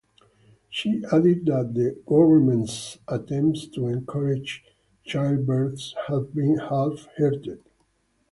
She added that the government's attempts to encourage childbirths have been "half-hearted".